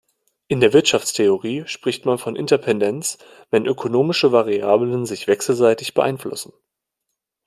In der Wirtschaftstheorie spricht man von Interdependenz, wenn ökonomische Variablen sich wechselseitig beeinflussen.